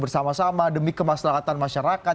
sama sama demi kemaslahan masyarakat